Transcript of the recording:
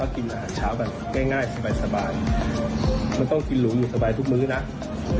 กินง่ายสบายต้องกินโหลงอยู่สบายทุกมื้อน่ะ